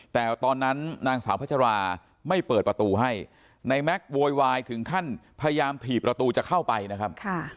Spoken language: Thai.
แต่ตอนนั้นนางสาวพัชราไม่เปิดประตูให้นายแม็กซ์โวยวายถึงขั้นพยายามถี่ประตูจะเข้าไปนะครับ